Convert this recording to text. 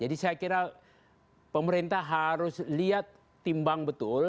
jadi saya kira pemerintah harus lihat timbang betul